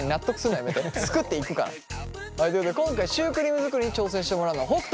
作っていくから。ということで今回シュークリーム作りに挑戦してもらうのは北斗。